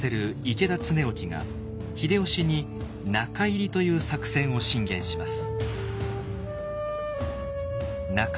池田恒興が秀吉に中入りという作戦を進言します。